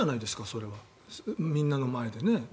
それはみんなの前でね。